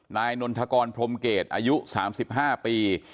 นายนนทกรพรมเกตอายุ๓๕ปี